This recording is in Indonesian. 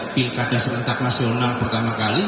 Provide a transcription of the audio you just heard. pilkada serentak nasional pertama kali